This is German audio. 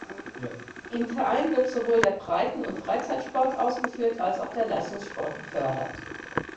Im Verein wird sowohl der Breiten- und Freizeitsport ausgeführt als auch der Leistungssport gefördert.